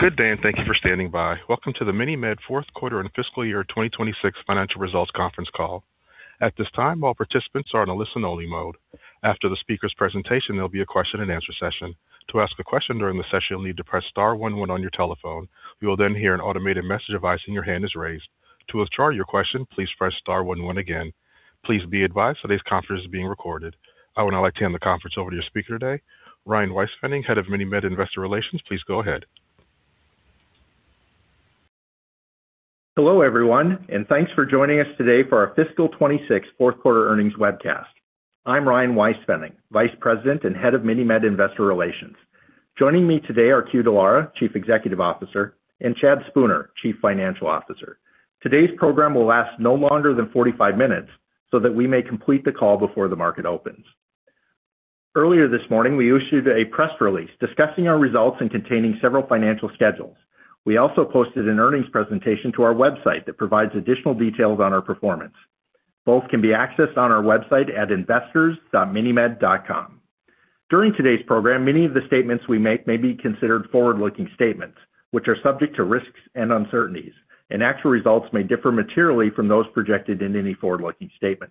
Good day, thank you for standing by. Welcome to the MiniMed fourth quarter and fiscal year 2026 financial results conference call. At this time, all participants are in a listen-only mode. After the speaker's presentation, there'll be a question-and-answer session. To ask a question during the session, you'll need to press star one-one on your telephone. You will hear an automated message advising your hand is raised. To withdraw your question, please press star one-one again. Please be advised that today's conference is being recorded. I would now like to hand the conference over to your speaker today, Ryan Weispfenning, Head of MiniMed Investor Relations. Please go ahead. Hello, everyone, and thanks for joining us today for our fiscal 2026 fourth quarter earnings webcast. I'm Ryan Weispfenning, Vice President and Head of MiniMed Investor Relations. Joining me today are Que Dallara, Chief Executive Officer, and Chad Spooner, Chief Financial Officer. Today's program will last no longer than 45 minutes so that we may complete the call before the market opens. Earlier this morning, we issued a press release discussing our results and containing several financial schedules. We also posted an earnings presentation to our website that provides additional details on our performance. Both can be accessed on our website at investors.minimed.com. During today's program, many of the statements we make may be considered forward-looking statements, which are subject to risks and uncertainties, and actual results may differ materially from those projected in any forward-looking statement.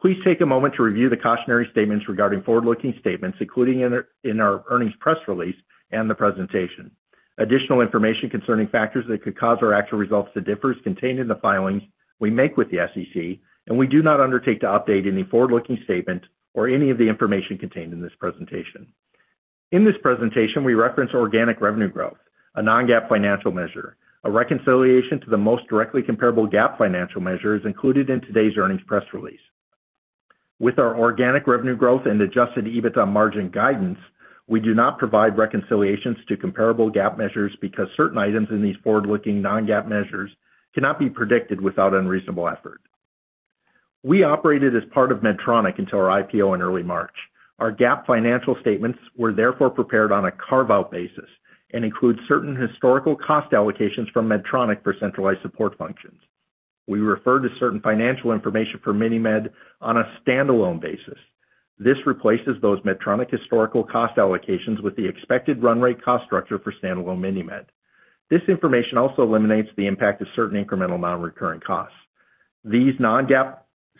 Please take a moment to review the cautionary statements regarding forward-looking statements, including in our earnings press release and the presentation. Additional information concerning factors that could cause our actual results to differ is contained in the filings we make with the SEC, and we do not undertake to update any forward-looking statement or any of the information contained in this presentation. In this presentation, we reference organic revenue growth, a non-GAAP financial measure. A reconciliation to the most directly comparable GAAP financial measure is included in today's earnings press release. With our organic revenue growth and adjusted EBITDA margin guidance, we do not provide reconciliations to comparable GAAP measures because certain items in these forward-looking non-GAAP measures cannot be predicted without unreasonable effort. We operated as part of Medtronic until our IPO in early March. Our GAAP financial statements were therefore prepared on a carve-out basis and include certain historical cost allocations from Medtronic for centralized support functions. We refer to certain financial information for MiniMed on a standalone basis. This replaces those Medtronic historical cost allocations with the expected run rate cost structure for standalone MiniMed. This information also eliminates the impact of certain incremental non-recurring costs. These non-GAAP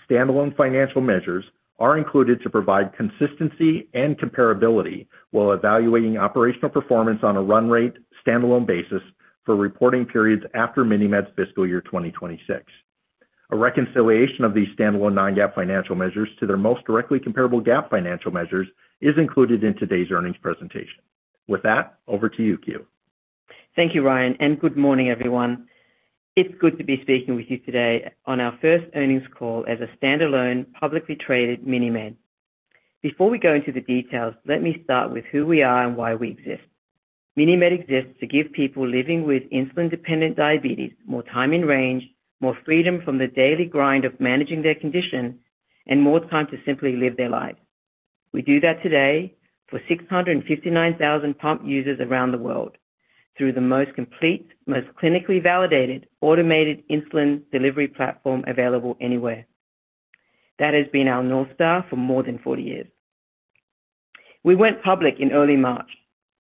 standalone financial measures are included to provide consistency and comparability while evaluating operational performance on a run-rate standalone basis for reporting periods after MiniMed's fiscal year 2026. A reconciliation of these standalone non-GAAP financial measures to their most directly comparable GAAP financial measures is included in today's earnings presentation. Over to you, Que. Thank you, Ryan. Good morning, everyone. It's good to be speaking with you today on our first earnings call as a standalone, publicly traded MiniMed. Before we go into the details, let me start with who we are and why we exist. MiniMed exists to give people living with insulin-dependent diabetes more time in range, more freedom from the daily grind of managing their condition, and more time to simply live their lives. We do that today for 659,000 pump users around the world through the most complete, most clinically validated automated insulin delivery platform available anywhere. That has been our North Star for more than 40 years. We went public in early March.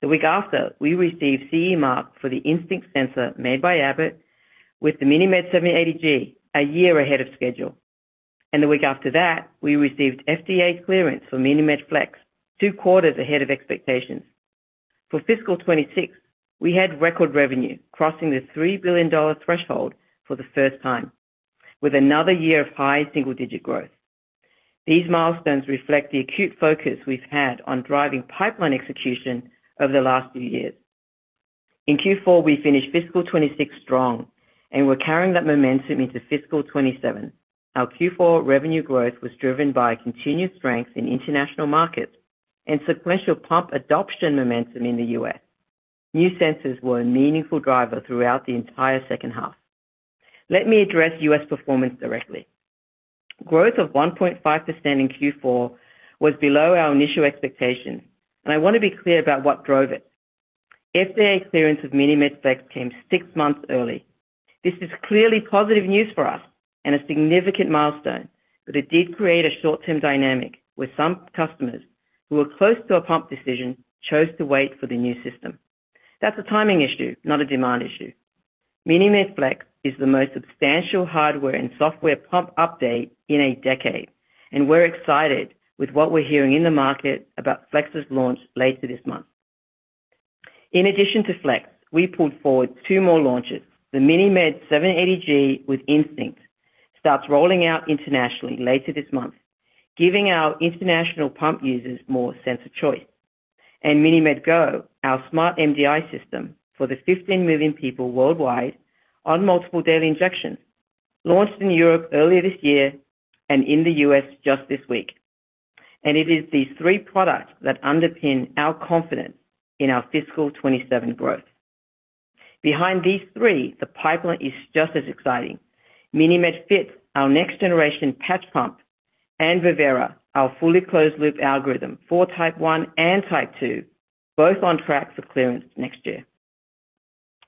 The week after, we received CE mark for the Instinct sensor made by Abbott with the MiniMed 780G a year ahead of schedule. The week after that, we received FDA clearance for MiniMed Flex two quarters ahead of expectations. For fiscal 2026, we had record revenue crossing the $3 billion threshold for the first time with another year of high single-digit growth. These milestones reflect the acute focus we've had on driving pipeline execution over the last few years. In Q4, we finished fiscal 2026 strong, and we're carrying that momentum into fiscal 2027. Our Q4 revenue growth was driven by continued strength in international markets and sequential pump adoption momentum in the U.S. New sensors were a meaningful driver throughout the entire second half. Let me address U.S. performance directly. Growth of 1.5% in Q4 was below our initial expectations, and I want to be clear about what drove it. FDA clearance of MiniMed Flex came six months early. This is clearly positive news for us and a significant milestone, but it did create a short-term dynamic where some customers who were close to a pump decision chose to wait for the new system. That's a timing issue, not a demand issue. MiniMed Flex is the most substantial hardware and software pump update in a decade, and we're excited with what we're hearing in the market about Flex's launch later this month. In addition to Flex, we pulled forward two more launches. The MiniMed 780G with Instinct starts rolling out internationally later this month, giving our international pump users more sensor choice. MiniMed Go, our smart MDI system for the 15 million people worldwide on multiple daily injections, launched in Europe earlier this year and in the U.S. just this week. It is these three products that underpin our confidence in our fiscal 2027 growth. Behind these three, the pipeline is just as exciting. MiniMed Fit, our next-generation patch pump, and Vivera, our fully closed-loop algorithm for type 1 and type 2, both on track for clearance next year.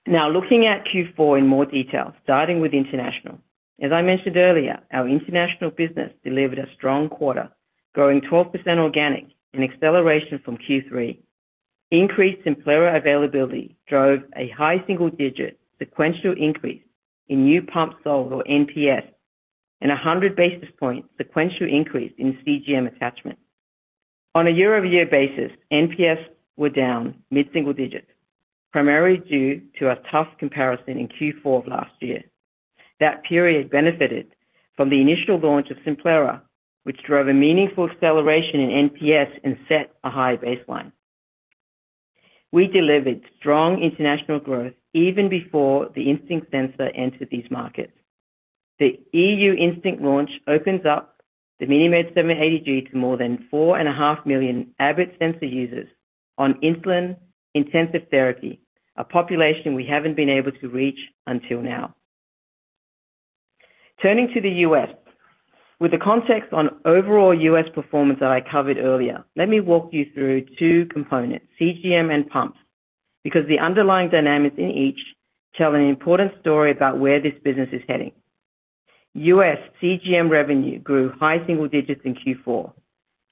Now looking at Q4 in more detail, starting with international. As I mentioned earlier, our international business delivered a strong quarter, growing 12% organic, an acceleration from Q3. Increased Simplera availability drove a high single-digit sequential increase in new pumps sold, or NPS, and 100 basis point sequential increase in CGM attachments. On a year-over-year basis, NPS were down mid-single digits, primarily due to a tough comparison in Q4 of last year. That period benefited from the initial launch of Simplera, which drove a meaningful acceleration in NPS and set a high baseline. We delivered strong international growth even before the Instinct sensor entered these markets. The EU Instinct launch opens up the MiniMed 780G to more than 4.5 million Abbott sensor users on insulin-intensive therapy, a population we haven't been able to reach until now. Turning to the U.S., with the context on overall U.S. performance that I covered earlier, let me walk you through two components, CGM and pumps, because the underlying dynamics in each tell an important story about where this business is heading. U.S. CGM revenue grew high single digits in Q4,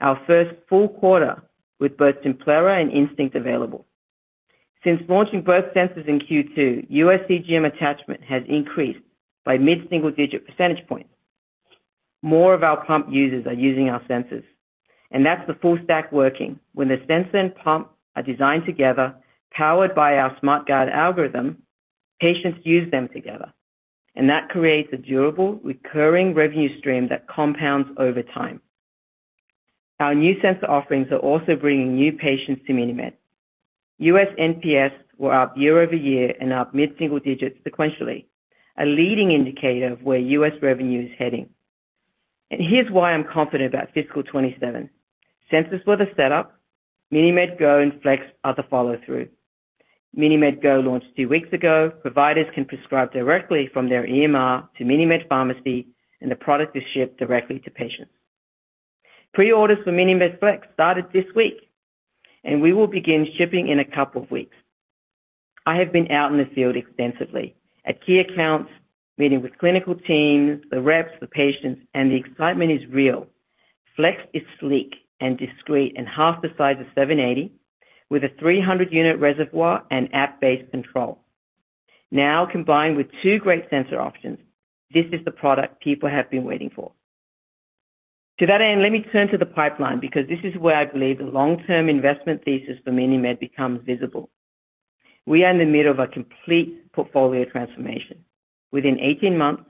our first full quarter with both Simplera and Instinct available. Since launching both sensors in Q2, U.S. CGM attachment has increased by mid-single-digit percentage points. That's the full stack working. When the sensor and pump are designed together, powered by our SmartGuard algorithm, patients use them together, and that creates a durable, recurring revenue stream that compounds over time. Our new sensor offerings are also bringing new patients to MiniMed. U.S. NPS were up year-over-year and up mid-single digits sequentially, a leading indicator of where U.S. revenue is heading. Here's why I'm confident about fiscal 2027. Sensors were the setup, MiniMed Go and Flex are the follow-through. MiniMed Go launched two weeks ago. Providers can prescribe directly from their EMR to MiniMed Pharmacy, and the product is shipped directly to patients. Pre-orders for MiniMed Flex started this week, and we will begin shipping in a couple of weeks. I have been out in the field extensively at key accounts, meeting with clinical teams, the reps, the patients, and the excitement is real. Flex is sleek and discreet and half the size of 780, with a 300 unit reservoir and app-based control. Now, combined with two great sensor options, this is the product people have been waiting for. To that end, let me turn to the pipeline, because this is where I believe the long-term investment thesis for MiniMed becomes visible. We are in the middle of a complete portfolio transformation. Within 18 months,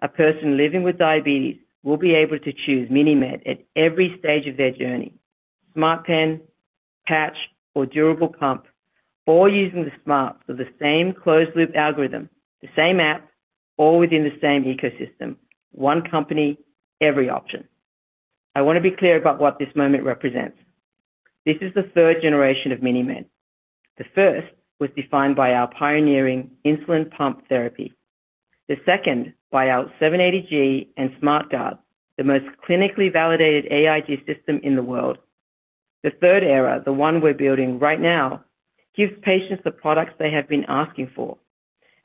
a person living with diabetes will be able to choose MiniMed at every stage of their journey. InPen, MiniMed Fit, or durable pump, all using the SmartGuard for the same closed-loop algorithm, the same app, all within the same ecosystem. One company, every option. I want to be clear about what this moment represents. This is the third generation of MiniMed. The first was defined by our pioneering insulin pump therapy. Second, by our 780G and SmartGuard, the most clinically validated AID system in the world. The third era, the one we're building right now, gives patients the products they have been asking for.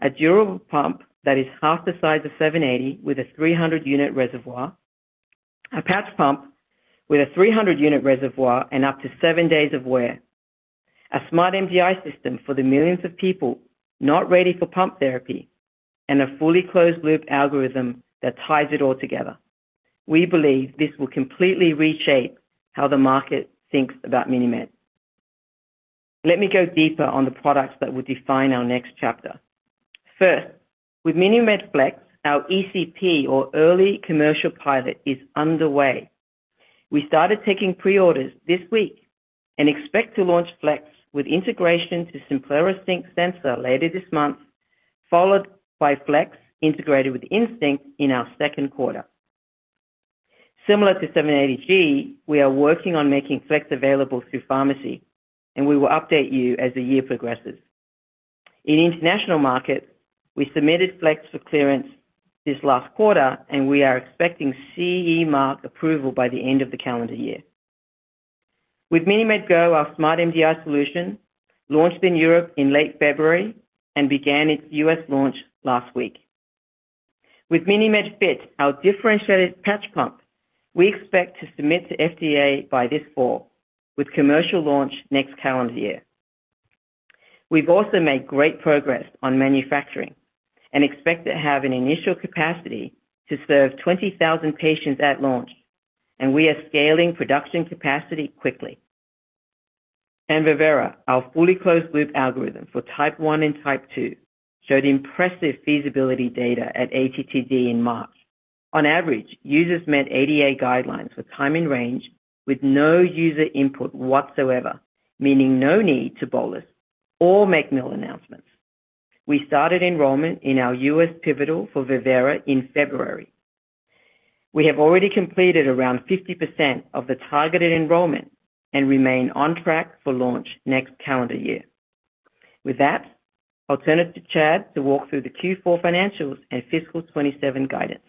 A durable pump that is half the size of 780 with a 300-unit reservoir, a patch pump with a 300-unit reservoir and up to seven days of wear, a smart MDI system for the millions of people not ready for pump therapy, and a fully closed-loop algorithm that ties it all together. We believe this will completely reshape how the market thinks about MiniMed. Let me go deeper on the products that will define our next chapter. First, with MiniMed Flex, our ECP, or early commercial pilot, is underway. We started taking pre-orders this week and expect to launch Flex with integration to Simplera Sync sensor later this month, followed by Flex integrated with Instinct in our second quarter. Similar to 780G, we are working on making Flex available through pharmacy. We will update you as the year progresses. In international markets, we submitted Flex for clearance this last quarter. We are expecting CE mark approval by the end of the calendar year. With MiniMed Go, our smart MDI solution launched in Europe in late February and began its U.S. launch last week. With MiniMed Fit, our differentiated patch pump, we expect to submit to FDA by this fall, with commercial launch next calendar year. We've also made great progress on manufacturing and expect to have an initial capacity to serve 20,000 patients at launch. We are scaling production capacity quickly. Vivera, our fully closed-loop algorithm for type 1 and type 2, showed impressive feasibility data at ATTD in March. On average, users met ADA guidelines for time in range with no user input whatsoever, meaning no need to bolus or make meal announcements. We started enrollment in our U.S. pivotal for Vivera in February. We have already completed around 50% of the targeted enrollment and remain on track for launch next calendar year. With that, I'll turn it to Chad to walk through the Q4 financials and fiscal 2027 guidance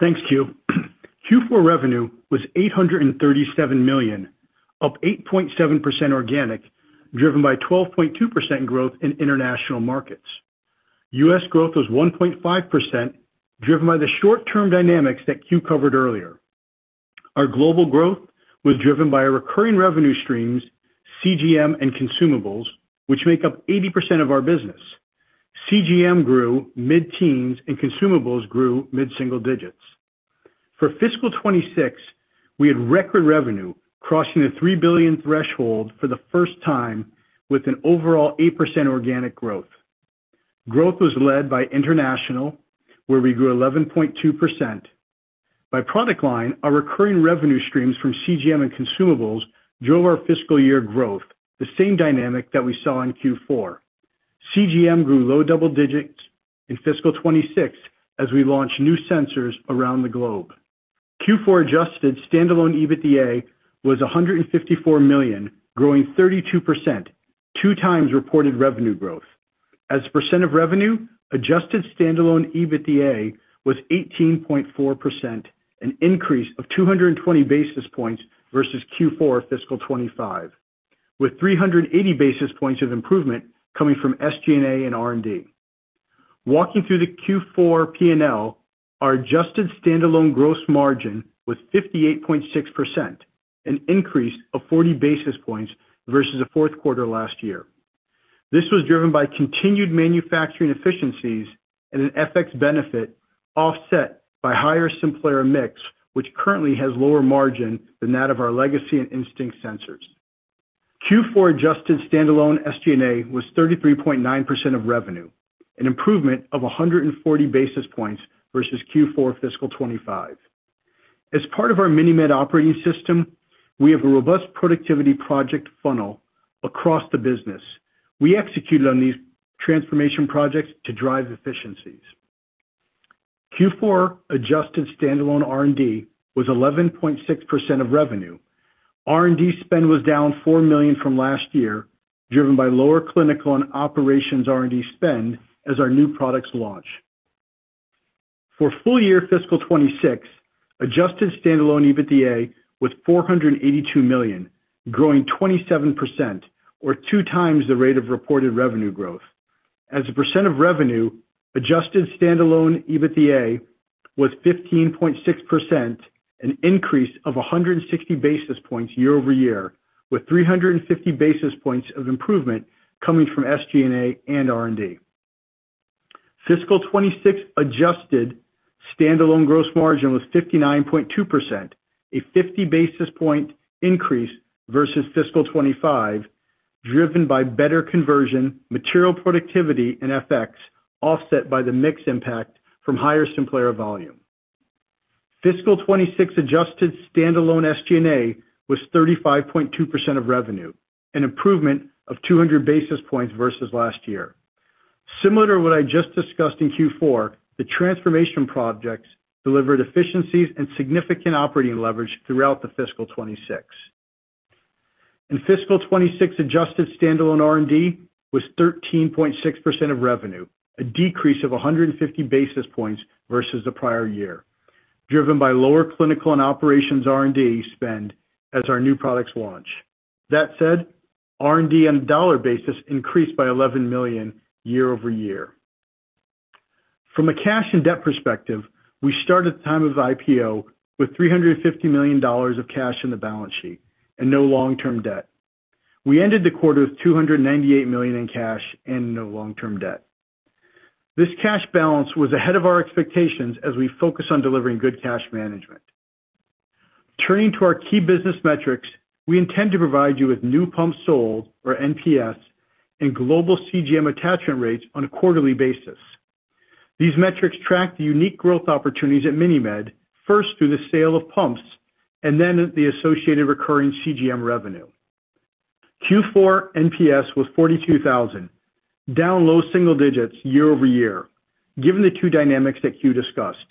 Thanks, Que. Q4 revenue was $837 million, up 8.7% organic, driven by 12.2% growth in international markets. U.S. growth was 1.5%, driven by the short-term dynamics that Que covered earlier. Our global growth was driven by our recurring revenue streams, CGM, and consumables, which make up 80% of our business. CGM grew mid-teens, and consumables grew mid-single digits. For fiscal 2026, we had record revenue, crossing the $3 billion threshold for the first time, with an overall 8% organic growth. Growth was led by international, where we grew 11.2%. By product line, our recurring revenue streams from CGM and consumables drove our fiscal year growth, the same dynamic that we saw in Q4. CGM grew low double digits in fiscal 2026 as we launched new sensors around the globe. Q4 adjusted standalone EBITDA was $154 million, growing 32%, 2x reported revenue growth. As a percent of revenue, adjusted standalone EBITDA was 18.4%, an increase of 220 basis points versus Q4 FY 2025, with 380 basis points of improvement coming from SG&A and R&D. Walking through the Q4 P&L, our adjusted standalone gross margin was 58.6%, an increase of 40 basis points versus the fourth quarter last year. This was driven by continued manufacturing efficiencies and an FX benefit offset by higher Simplera mix, which currently has lower margin than that of our legacy and Instinct sensors. Q4 adjusted standalone SG&A was 33.9% of revenue, an improvement of 140 basis points versus Q4 FY 2025. As part of our MiniMed operating system, we have a robust productivity project funnel across the business. We executed on these transformation projects to drive efficiencies. Q4 adjusted standalone R&D was 11.6% of revenue. R&D spend was down $4 million from last year, driven by lower clinical and operations R&D spend as our new products launch. For full year fiscal 2026, adjusted standalone EBITDA was $482 million, growing 27%, or 2x the rate of reported revenue growth. As a percent of revenue, adjusted standalone EBITDA was 15.6%, an increase of 160 basis points year-over-year, with 350 basis points of improvement coming from SG&A and R&D. Fiscal 2026 adjusted standalone gross margin was 59.2%, a 50 basis point increase versus fiscal 2025, driven by better conversion, material productivity, and FX, offset by the mix impact from higher Simplera volume. Fiscal 2026 adjusted standalone SG&A was 35.2% of revenue, an improvement of 200 basis points versus last year. Similar to what I just discussed in Q4, the transformation projects delivered efficiencies and significant operating leverage throughout the fiscal 2026. In fiscal 2026, adjusted standalone R&D was 13.6% of revenue, a decrease of 150 basis points versus the prior year, driven by lower clinical and operations R&D spend as our new products launch. That said, R&D on a dollar basis increased by $11 million year-over-year. From a cash and debt perspective, we started the time of IPO with $350 million of cash on the balance sheet and no long-term debt. We ended the quarter with $298 million in cash and no long-term debt. This cash balance was ahead of our expectations as we focus on delivering good cash management. Turning to our key business metrics, we intend to provide you with new pumps sold, or NPS, and global CGM attachment rates on a quarterly basis. These metrics track the unique growth opportunities at MiniMed, first through the sale of pumps, and then the associated recurring CGM revenue. Q4 NPS was 42,000, down low single digits year-over-year, given the two dynamics that Que discussed.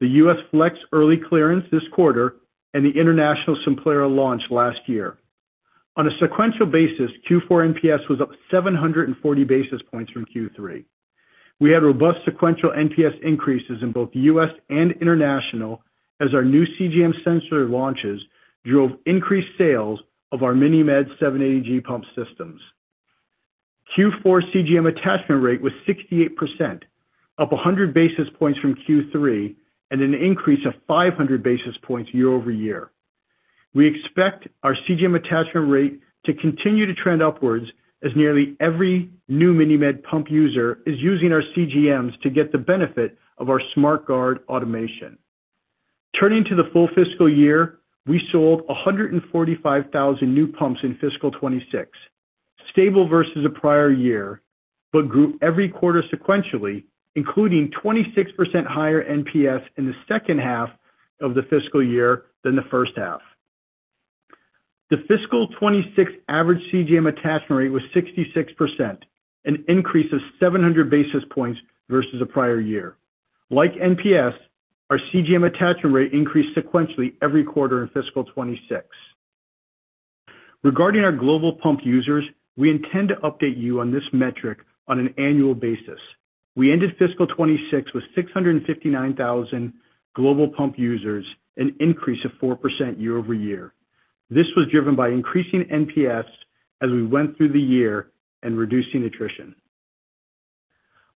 The U.S. Flex early clearance this quarter and the international Simplera launch last year. On a sequential basis, Q4 NPS was up 740 basis points from Q3. We had robust sequential NPS increases in both U.S. and international as our new CGM sensor launches drove increased sales of our MiniMed 780G pump systems. Q4 CGM attachment rate was 68%, up 100 basis points from Q3, and an increase of 500 basis points year-over-year. We expect our CGM attachment rate to continue to trend upwards as nearly every new MiniMed pump user is using our CGMs to get the benefit of our SmartGuard automation. Turning to the full fiscal year, we sold 145,000 new pumps in fiscal 2026, stable versus the prior year, but grew every quarter sequentially, including 26% higher NPS in the second half of the fiscal year than the first half. The fiscal 2026 average CGM attachment rate was 66%, an increase of 700 basis points versus the prior year. Like NPS, our CGM attachment rate increased sequentially every quarter in fiscal 2026. Regarding our global pump users, we intend to update you on this metric on an annual basis. We ended fiscal 2026 with 659,000 global pump users, an increase of 4% year-over-year. This was driven by increasing NPS as we went through the year and reducing attrition.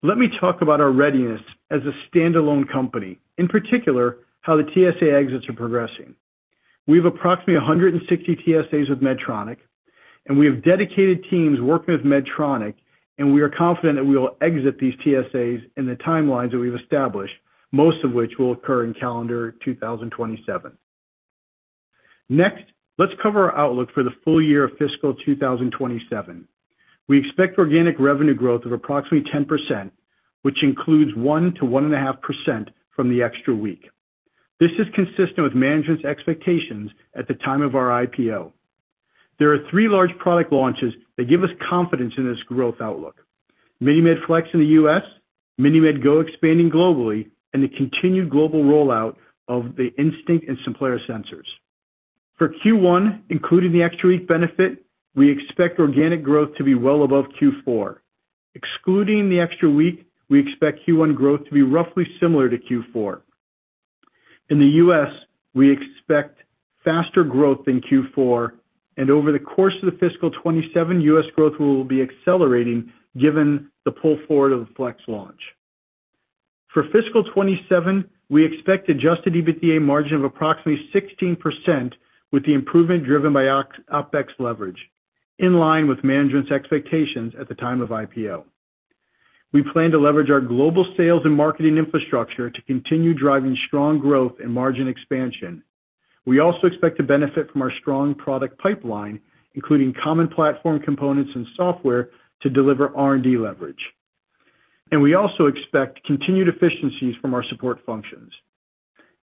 Let me talk about our readiness as a standalone company, in particular, how the TSA exits are progressing. We have approximately 160 TSAs with Medtronic, and we have dedicated teams working with Medtronic, and we are confident that we will exit these TSAs in the timelines that we've established, most of which will occur in calendar 2027. Let's cover our outlook for the full year of fiscal 2027. We expect organic revenue growth of approximately 10%, which includes 1%-1.5% from the extra week. This is consistent with management's expectations at the time of our IPO. There are three large product launches that give us confidence in this growth outlook. MiniMed Flex in the U.S., MiniMed Go expanding globally, and the continued global rollout of the Instinct and Simplera sensors. For Q1, including the extra week benefit, we expect organic growth to be well above Q4. Excluding the extra week, we expect Q1 growth to be roughly similar to Q4. In the U.S., we expect faster growth than Q4, over the course of the FY 2027, U.S. growth will be accelerating given the pull forward of the Flex launch. For FY 2027, we expect adjusted EBITDA margin of approximately 16% with the improvement driven by OpEx leverage, in line with management's expectations at the time of IPO. We plan to leverage our global sales and marketing infrastructure to continue driving strong growth and margin expansion. We also expect to benefit from our strong product pipeline, including common platform components and software to deliver R&D leverage. We also expect continued efficiencies from our support functions.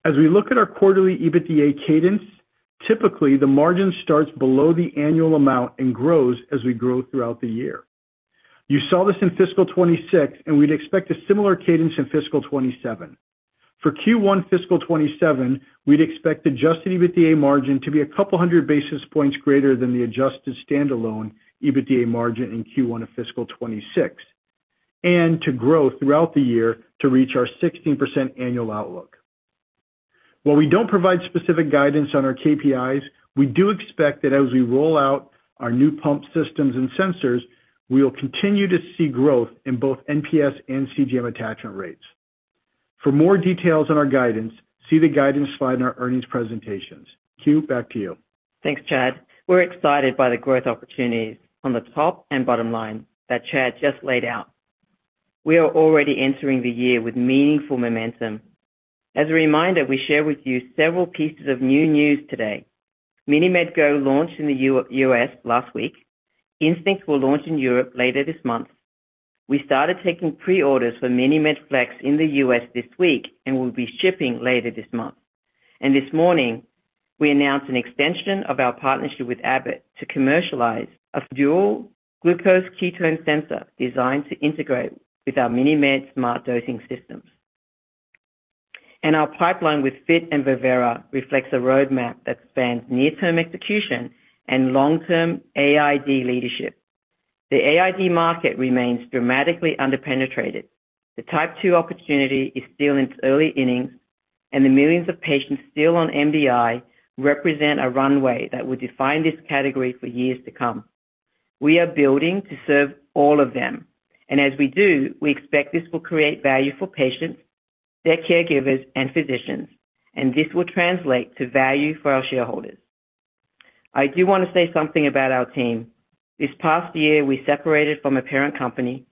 As we look at our quarterly EBITDA cadence, typically the margin starts below the annual amount and grows as we grow throughout the year. You saw this in FY 2026, we'd expect a similar cadence in FY 2027. For Q1 fiscal 2027, we'd expect adjusted EBITDA margin to be a couple hundred basis points greater than the adjusted standalone EBITDA margin in Q1 of fiscal 2026, and to grow throughout the year to reach our 16% annual outlook. While we don't provide specific guidance on our KPIs, we do expect that as we roll out our new pump systems and sensors, we will continue to see growth in both NPS and CGM attachment rates. For more details on our guidance, see the guidance slide in our earnings presentations. Que, back to you. Thanks, Chad. We're excited by the growth opportunities on the top and bottom line that Chad just laid out. We are already entering the year with meaningful momentum. As a reminder, we share with you several pieces of new news today. MiniMed Go launched in the U.S. last week. Instinct will launch in Europe later this month. We started taking pre-orders for MiniMed Flex in the U.S. this week and will be shipping later this month. This morning, we announced an extension of our partnership with Abbott to commercialize a dual glucose ketone sensor designed to integrate with our MiniMed smart dosing systems. Our pipeline with Flex and Vivera reflects a roadmap that spans near-term execution and long-term AID leadership. The AID market remains dramatically underpenetrated. The type 2 opportunity is still in its early innings. The millions of patients still on MDI represent a runway that will define this category for years to come. We are building to serve all of them. As we do, we expect this will create value for patients, their caregivers and physicians, and this will translate to value for our shareholders. I do want to say something about our team. This past year, we separated from a parent company,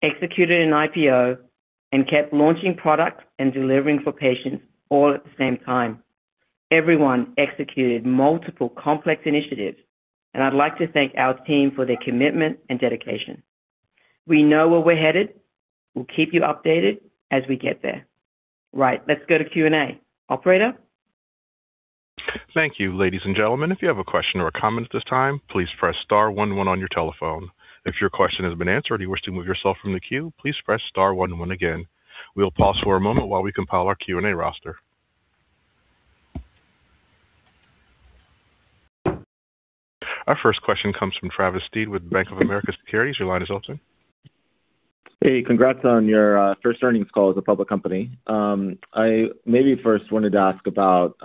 executed an IPO, and kept launching products and delivering for patients all at the same time. Everyone executed multiple complex initiatives. I'd like to thank our team for their commitment and dedication. We know where we're headed. We'll keep you updated as we get there. Right, let's go to Q&A. Operator? Thank you. Ladies and gentlemen, if you have a question or a comment at this time, please press star one-one on your telephone. If your question has been answered or you wish to remove yourself from the queue, please press star one-one again. We'll pause for a moment while we compile our Q&A roster. Our first question comes from Travis Steed with Bank of America Securities. Your line is open. Hey, congrats on your first earnings call as a public company. I maybe first wanted to ask about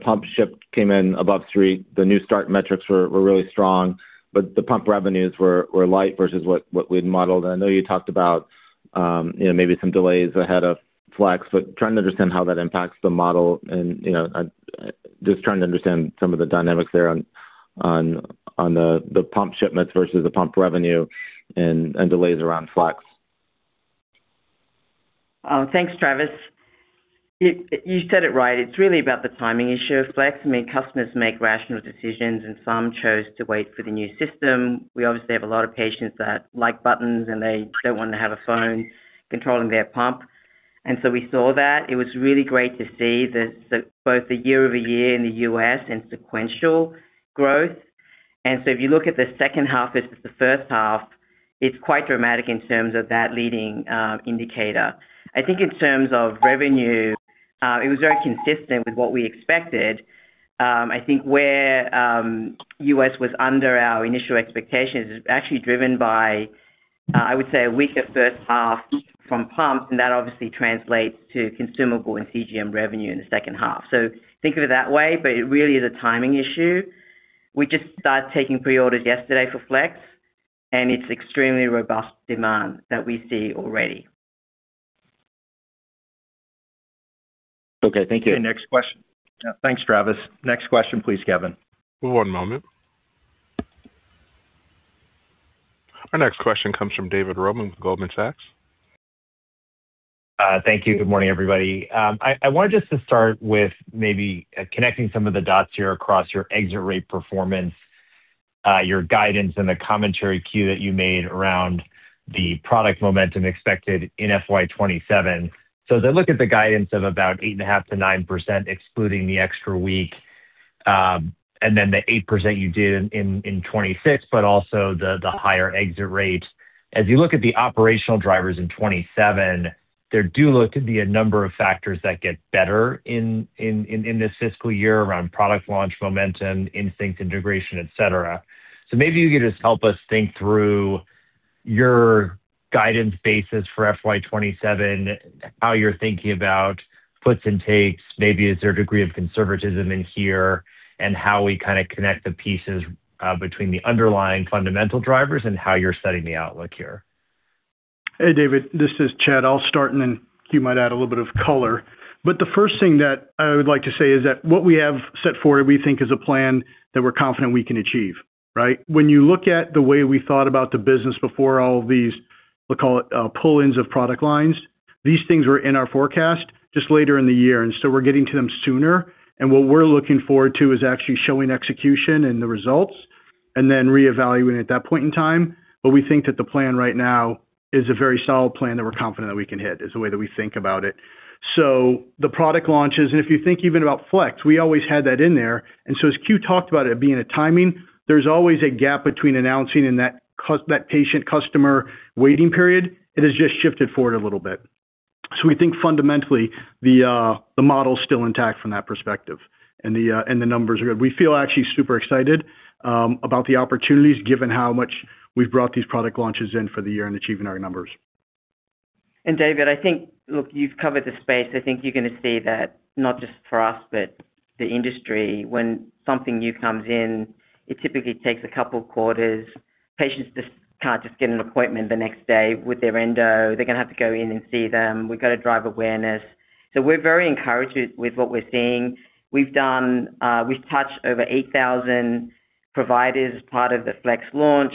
pump ship came in above Street. The new start metrics were really strong, but the pump revenues were light versus what we'd modeled. I know you talked about maybe some delays ahead of Flex, but trying to understand how that impacts the model and just trying to understand some of the dynamics there on the pump shipments versus the pump revenue and delays around Flex. Thanks, Travis. You said it right. It's really about the timing issue of Flex. I mean, customers make rational decisions, and some chose to wait for the new system. We obviously have a lot of patients that like buttons, and they don't want to have a phone controlling their pump. We saw that. It was really great to see both the year-over-year in the U.S. and sequential growth. If you look at the second half versus the first half. It's quite dramatic in terms of that leading indicator. I think in terms of revenue, it was very consistent with what we expected. I think where U.S. was under our initial expectations is actually driven by, I would say, a weaker first half from pumps, and that obviously translates to consumable and CGM revenue in the second half. Think of it that way, but it really is a timing issue. We just started taking pre-orders yesterday for Flex, and it's extremely robust demand that we see already. Okay. Thank you. Okay. Next question. Thanks, Travis. Next question, please, Kevin. One moment. Our next question comes from David Roman with Goldman Sachs. Thank you. Good morning, everybody. I wanted just to start with maybe connecting some of the dots here across your exit rate performance, your guidance and the commentary Que that you made around the product momentum expected in FY 2027. As I look at the guidance of about 8.5%-9%, excluding the extra week, and then the 8% you did in 2026, but also the higher exit rates. As you look at the operational drivers in 2027, there do look to be a number of factors that get better in this fiscal year around product launch momentum, Instinct integration, et cetera. Maybe you could just help us think through your guidance basis for FY 2027, how you're thinking about puts and takes. Maybe is there a degree of conservatism in here, and how we connect the pieces between the underlying fundamental drivers and how you're setting the outlook here? Hey, David, this is Chad. I'll start and then Que might add a little bit of color. The first thing that I would like to say is that what we have set forward, we think is a plan that we're confident we can achieve. Right? When you look at the way we thought about the business before all of these, we'll call it pull-ins of product lines, these things were in our forecast just later in the year, and so we're getting to them sooner. What we're looking forward to is actually showing execution and the results and then reevaluating at that point in time. We think that the plan right now is a very solid plan that we're confident that we can hit, is the way that we think about it. The product launches, if you think even about Flex, we always had that in there. As Que talked about it being a timing, there's always a gap between announcing and that patient customer waiting period. It has just shifted forward a little bit. We think fundamentally, the model's still intact from that perspective and the numbers are good. We feel actually super excited about the opportunities given how much we've brought these product launches in for the year and achieving our numbers. David, I think, look, you've covered the space. I think you're going to see that not just for us, but the industry, when something new comes in, it typically takes a couple of quarters. Patients just can't get an appointment the next day with their endo. They're going to have to go in and see them. We've got to drive awareness. We're very encouraged with what we're seeing. We've touched over 8,000 providers as part of the Flex launch.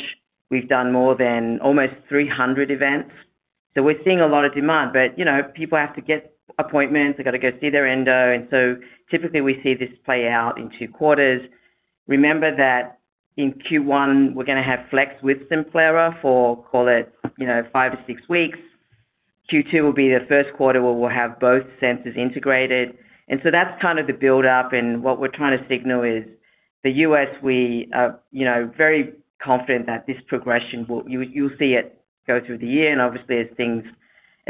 We've done more than almost 300 events. We're seeing a lot of demand. People have to get appointments. They've got to go see their endo, typically we see this play out in two quarters. Remember that in Q1, we're going to have Flex with Simplera for, call it, five to six weeks. Q2 will be the first quarter where we'll have both sensors integrated. That's the build-up, and what we're trying to signal is the U.S., we are very confident that this progression. You'll see it go through the year, and obviously as things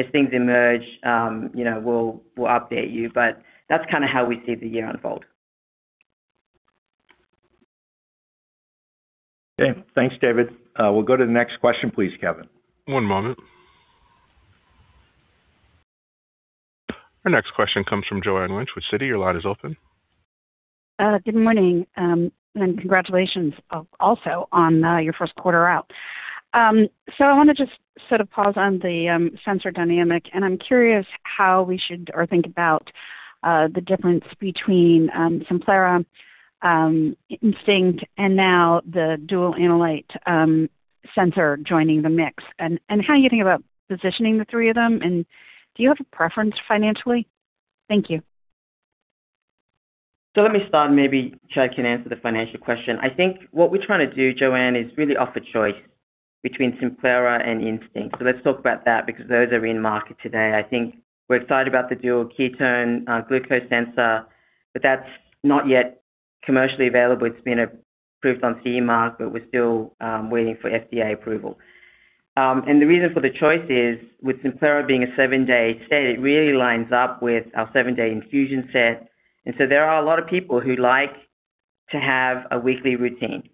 emerge, we'll update you. That's how we see the year unfold. Okay. Thanks, David. We'll go to the next question please, Kevin. One moment. Our next question comes from Joanne Wuensch with Citi. Your line is open. Good morning, and congratulations also on your first quarter out. I want to just sort of pause on the sensor dynamic, and I'm curious how we should think about the difference between Simplera, Instinct, and now the dual analyte sensor joining the mix. How are you thinking about positioning the three of them, and do you have a preference financially? Thank you. Let me start and maybe Chad can answer the financial question. I think what we're trying to do, Joanne, is really offer choice between Simplera and Instinct. Let's talk about that because those are in market today. I think we're excited about the dual ketone glucose sensor, but that's not yet commercially available. It's been approved from CE mark, but we're still waiting for FDA approval. The reason for the choice is with Simplera being a seven-day stay, it really lines up with our seven-day infusion set. There are a lot of people who like to have a weekly routine.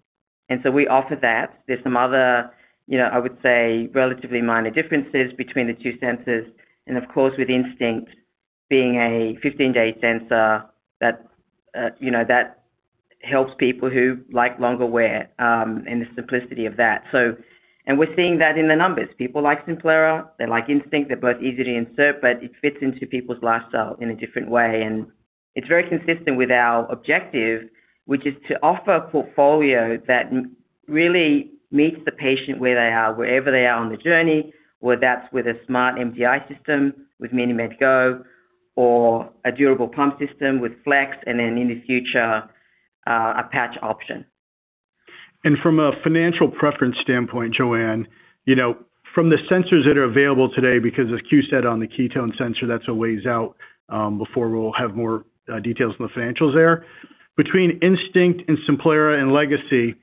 We offer that. There's some other, I would say, relatively minor differences between the two sensors. With Instinct being a 15-day sensor, that helps people who like longer wear, and the simplicity of that. We're seeing that in the numbers. People like Simplera, they like Instinct. They're both easy to insert, but it fits into people's lifestyle in a different way. It's very consistent with our objective, which is to offer a portfolio that really meets the patient where they are, wherever they are on the journey, whether that's with a smart MDI system, with MiniMed Go, or a durable pump system with Flex, and then in the future, a patch option. From a financial preference standpoint, Joanne, from the sensors that are available today, because as Que said on the ketone sensor, that's a ways out before we'll have more details on the financials there. Between Instinct and Simplera and legacy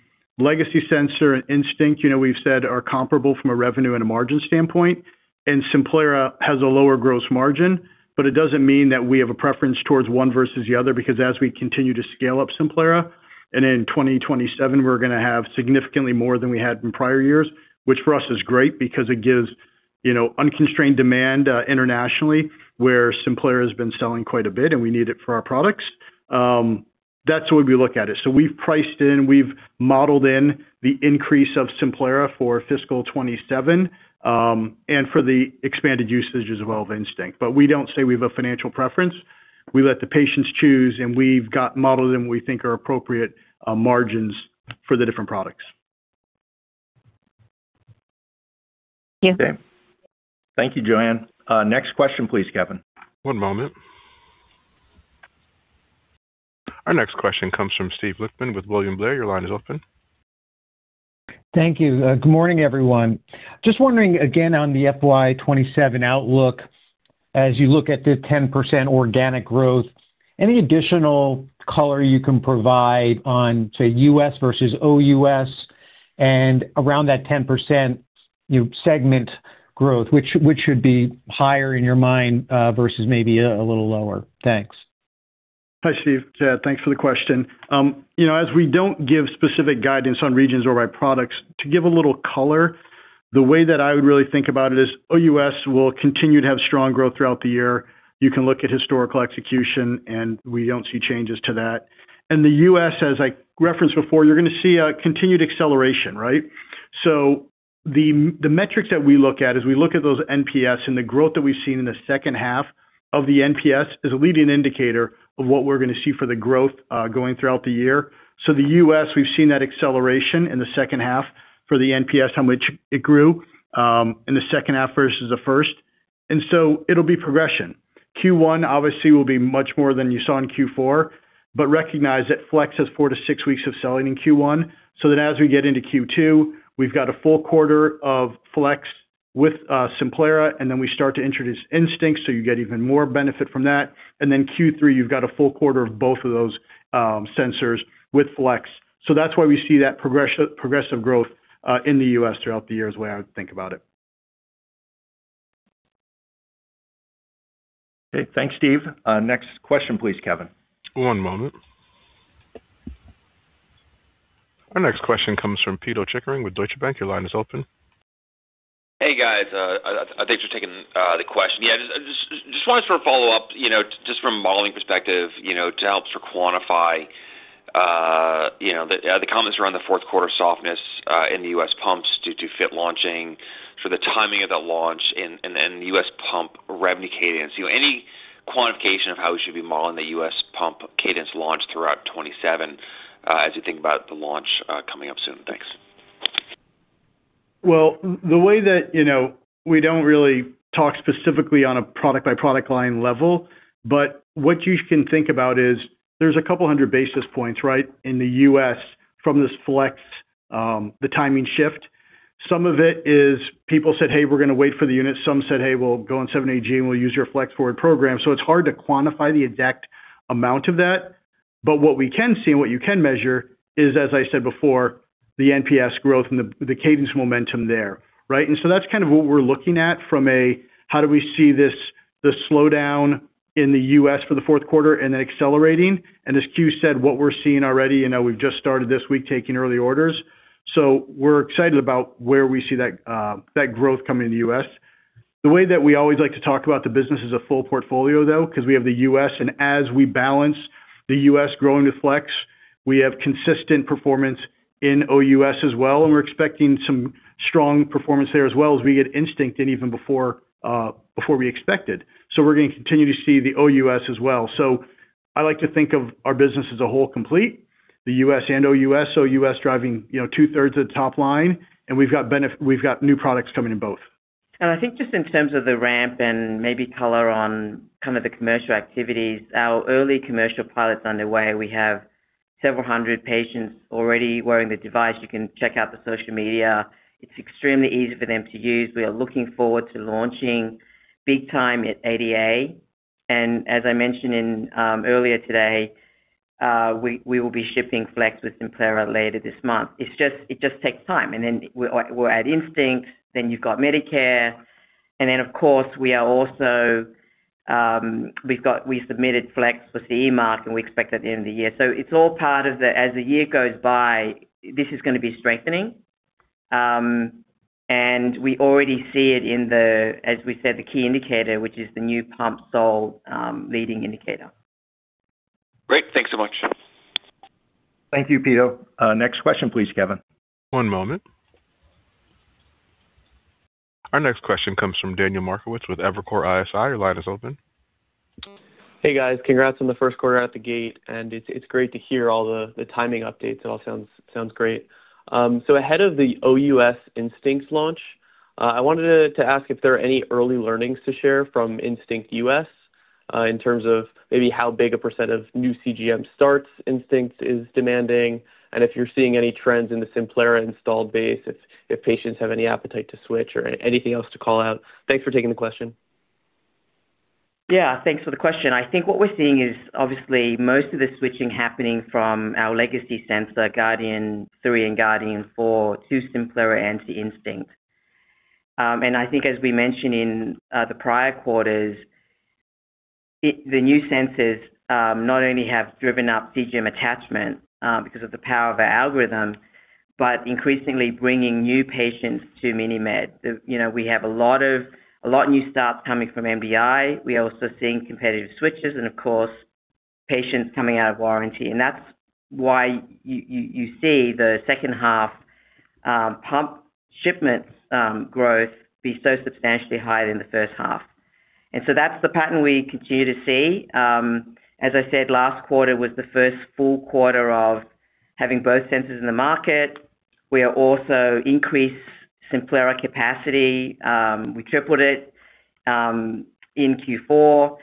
sensor and Instinct, we've said are comparable from a revenue and a margin standpoint. Simplera has a lower gross margin, but it doesn't mean that we have a preference towards one versus the other because as we continue to scale up Simplera, and in 2027, we're going to have significantly more than we had in prior years, which for us is great because it gives unconstrained demand internationally where Simplera has been selling quite a bit, and we need it for our products. That's the way we look at it. We've priced in, we've modeled in the increase of Simplera for fiscal 2027, and for the expanded usage as well of Instinct. We don't say we have a financial preference. We let the patients choose, and we've got modeled in what we think are appropriate margins for the different products. Thank you. Okay. Thank you, Joanne. Next question please, Kevin. One moment. Our next question comes from Steven Lichtman with William Blair. Your line is open. Thank you. Good morning, everyone. Just wondering again on the FY 2027 outlook, as you look at the 10% organic growth, any additional color you can provide on, say, U.S. versus OUS and around that 10% segment growth, which should be higher in your mind, versus maybe a little lower? Thanks. Hi, Steven. Chad. Thanks for the question. As we don't give specific guidance on regions or by products, to give a little color, the way that I would really think about it is OUS will continue to have strong growth throughout the year. You can look at historical execution, and we don't see changes to that. The U.S., as I referenced before, you're going to see a continued acceleration, right? The metrics that we look at as we look at those NPS and the growth that we've seen in the second half of the NPS is a leading indicator of what we're going to see for the growth going throughout the year. The U.S., we've seen that acceleration in the second half for the NPS, how much it grew in the second half versus the first. It'll be progression. Q1 obviously will be much more than you saw in Q4, but recognize that Flex has four to six weeks of selling in Q1, so that as we get into Q2, we've got a full quarter of Flex with Simplera, and then we start to introduce Instinct, so you get even more benefit from that. Q3, you've got a full quarter of both of those sensors with Flex. That's why we see that progressive growth, in the U.S. throughout the year is the way I would think about it. Okay. Thanks, Steven. Next question please, Kevin. One moment. Our next question comes from Pito Chickering with Deutsche Bank. Your line is open. Hey, guys. Thanks for taking the question. Just wanted to follow up, from a modeling perspective, to help quantify the comments around the fourth quarter softness in the U.S. pumps due to Flex launching, the timing of that launch and U.S. pump revenue cadence. Any quantification of how we should be modeling the U.S. pump cadence launch throughout 2027 as you think about the launch coming up soon? Thanks. Well, we don't really talk specifically on a product-by-product line level, but what you can think about is there's a couple hundred basis points, right, in the U.S. from this Flex, the timing shift. Some of it is people said, "Hey, we're going to wait for the unit." Some said, "Hey, we'll go on 780G and we'll use your Flex Forward program." It's hard to quantify the exact amount of that. What we can see and what you can measure is, as I said before, the NPS growth and the cadence momentum there, right? That's kind of what we're looking at from a how do we see this slowdown in the U.S. for the fourth quarter and then accelerating. As Que said, what we're seeing already, we've just started this week taking early orders. We're excited about where we see that growth coming in the U.S. The way that we always like to talk about the business is a full portfolio, though, because we have the U.S. and as we balance the U.S. growing with Flex, we have consistent performance in OUS as well, and we're expecting some strong performance there as well as we get Instinct in even before we expected. We're going to continue to see the OUS as well. I like to think of our business as a whole complete, the U.S. and OUS. OUS driving 2/3 of the top line and we've got new products coming in both. I think just in terms of the ramp and maybe color on kind of the commercial activities, our early commercial pilot's underway. We have several hundred patients already wearing the device. You can check out the social media. It's extremely easy for them to use. We are looking forward to launching big time at ADA. As I mentioned earlier today, we will be shipping Flex with Simplera later this month. It just takes time. Then we'll add Instinct, then you've got Medicare, and then of course, we submitted Flex for CE Mark, and we expect that at the end of the year. It's all part of the, as the year goes by, this is going to be strengthening. We already see it in the, as we said, the key indicator, which is the new pump sold leading indicator. Great. Thanks so much. Thank you, Pito. Next question please, Kevin. One moment. Our next question comes from Daniel Markowitz with Evercore ISI. Your line is open. Hey, guys. Congrats on the first quarter out the gate. It's great to hear all the timing updates. It all sounds great. Ahead of the OUS Instinct launch, I wanted to ask if there are any early learnings to share from Instinct U.S., in terms of maybe how big a % of new CGM starts Instinct is demanding, and if you're seeing any trends in the Simplera installed base, if patients have any appetite to switch or anything else to call out. Thanks for taking the question. Yeah, thanks for the question. I think what we're seeing is obviously most of the switching happening from our legacy sensor, Guardian 3 and Guardian 4, to Simplera and to Instinct. I think as we mentioned in the prior quarters, the new sensors not only have driven up CGM attachment because of the power of our algorithm, but increasingly bringing new patients to MiniMed. We have a lot new starts coming from MDI. We are also seeing competitive switches and, of course, patients coming out of warranty. That's why you see the second half pump shipments growth be so substantially higher than the first half. That's the pattern we continue to see. As I said, last quarter was the first full quarter of having both sensors in the market. We have also increased Simplera capacity. We tripled it in Q4.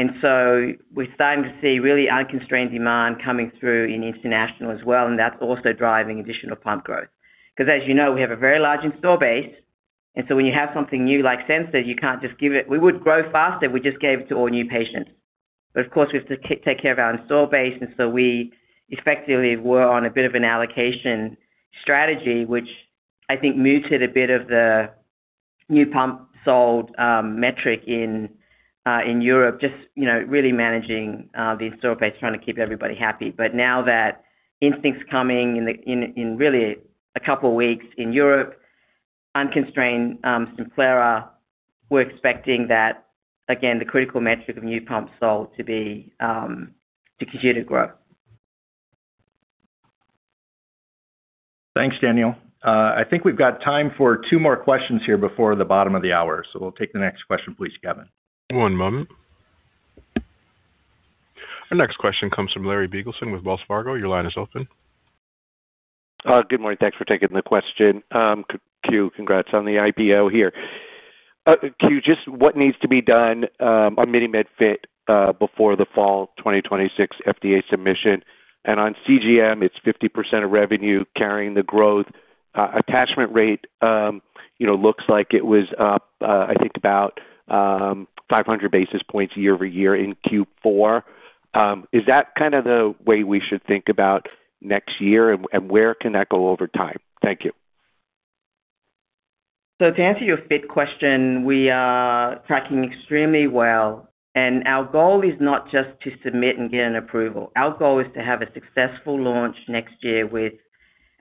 We're starting to see really unconstrained demand coming through in international as well, and that's also driving additional pump growth. As you know, we have a very large install base, and so when you have something new like sensors, you can't just give it. We would grow faster if we just gave it to all new patients. Of course, we have to take care of our install base, and so we effectively were on a bit of an allocation strategy, which I think muted a bit of the new pump sold metric in Europe, just really managing the install base, trying to keep everybody happy. Now that Instinct's coming in really a couple of weeks in Europe, unconstrained Simplera, we're expecting that, again, the critical metric of new pumps sold to continue to grow. Thanks, Daniel. I think we've got time for two more questions here before the bottom of the hour. We'll take the next question, please, Kevin. One moment. Our next question comes from Larry Biegelsen with Wells Fargo. Your line is open. Good morning. Thanks for taking the question. Q, congrats on the IPO here. Que, just what needs to be done on MiniMed Fit before the fall 2026 FDA submission? On CGM, it's 50% of revenue carrying the growth. Attachment rate looks like it was up, I think, about 500 basis points year-over-year in Q4. Is that kind of the way we should think about next year, and where can that go over time? Thank you. To answer your Fit question, we are tracking extremely well, and our goal is not just to submit and get an approval. Our goal is to have a successful launch next year with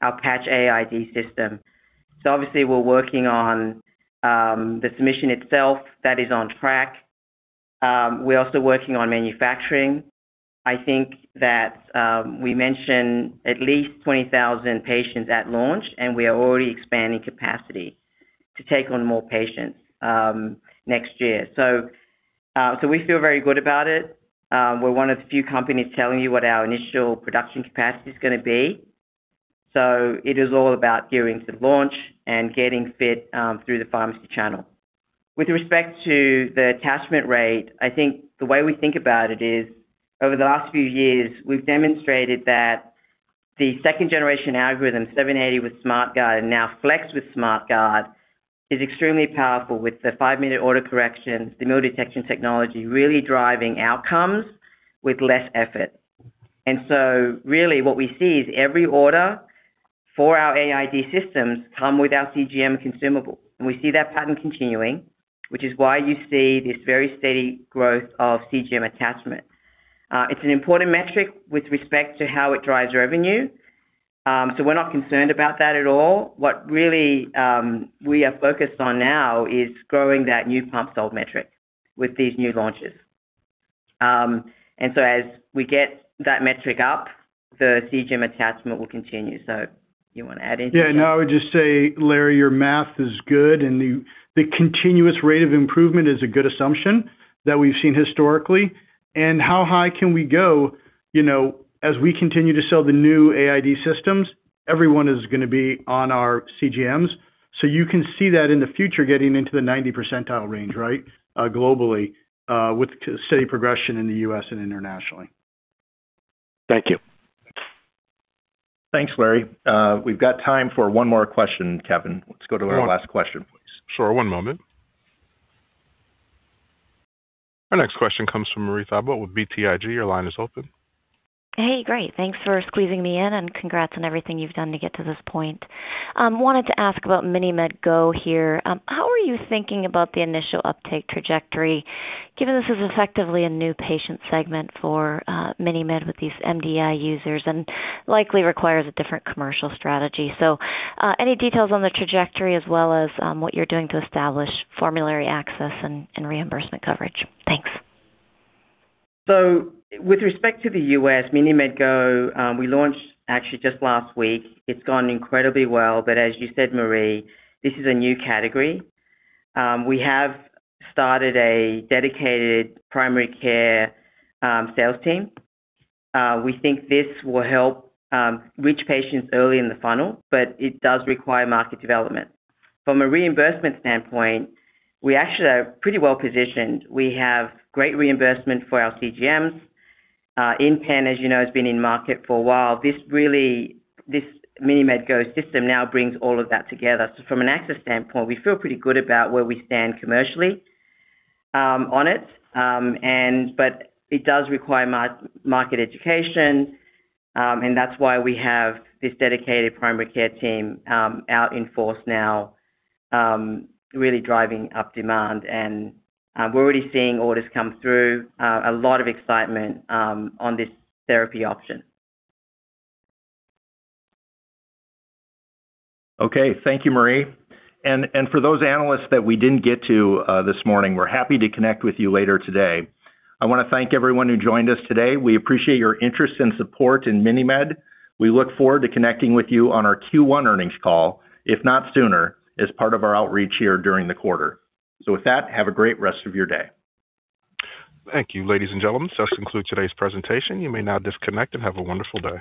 our Patch AID system. Obviously, we're working on the submission itself. That is on track. We're also working on manufacturing. I think that we mentioned at least 20,000 patients at launch, and we are already expanding capacity to take on more patients next year. We feel very good about it. We're one of the few companies telling you what our initial production capacity is going to be. It is all about gearing to launch and getting Fit through the pharmacy channel. With respect to the attachment rate, I think the way we think about it is, over the last few years, we've demonstrated that the second generation algorithm, 780 with SmartGuard and now Flex with SmartGuard, is extremely powerful with the five-minute auto correction, the Meal Detection Technology, really driving outcomes with less effort. Really what we see is every order for our AID systems come with our CGM consumable. We see that pattern continuing, which is why you see this very steady growth of CGM attachment. It's an important metric with respect to how it drives revenue. We're not concerned about that at all. What really we are focused on now is growing that new pump sold metric with these new launches. As we get that metric up, the CGM attachment will continue. Do you want to add anything? Yeah, no, I would just say, Larry, your math is good and the continuous rate of improvement is a good assumption that we've seen historically. How high can we go? As we continue to sell the new AID systems, everyone is going to be on our CGMs. You can see that in the future getting into the 90 percentile range, right? Globally, with steady progression in the U.S. and internationally. Thank you. Thanks, Larry. We've got time for one more question. Kevin, let's go to our last question, please. Sure. One moment. Our next question comes from Marie Thibault with BTIG. Your line is open. Hey. Great. Thanks for squeezing me in, and congrats on everything you've done to get to this point. I wanted to ask about MiniMed Go here. How are you thinking about the initial uptake trajectory, given this is effectively a new patient segment for MiniMed with these MDI users and likely requires a different commercial strategy. Any details on the trajectory as well as what you're doing to establish formulary access and reimbursement coverage? With respect to the U.S., MiniMed Go, we launched actually just last week. It's gone incredibly well, as you said, Marie, this is a new category. We have started a dedicated primary care sales team. We think this will help reach patients early in the funnel, but it does require market development. From a reimbursement standpoint, we actually are pretty well positioned. We have great reimbursement for our CGMs. InPen, as you know, has been in market for a while. This MiniMed Go system now brings all of that together. From an access standpoint, we feel pretty good about where we stand commercially on it. It does require market education, and that's why we have this dedicated primary care team out in force now, really driving up demand. We're already seeing orders come through. A lot of excitement on this therapy option. Okay. Thank you, Marie. For those analysts that we didn't get to this morning, we're happy to connect with you later today. I want to thank everyone who joined us today. We appreciate your interest and support in MiniMed. We look forward to connecting with you on our Q1 earnings call, if not sooner, as part of our outreach here during the quarter. With that, have a great rest of your day. Thank you, ladies and gentlemen. This concludes today's presentation. You may now disconnect, and have a wonderful day.